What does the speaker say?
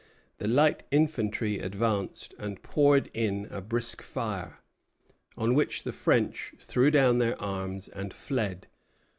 The light infantry advanced and poured in a brisk fire; on which the French threw down their arms and fled.